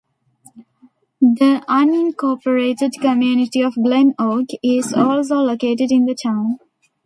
The unincorporated community of Glen Oak is also located in the town.